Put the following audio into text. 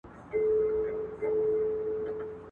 په دغي کیسې کي ډېر عبرت پروت دی.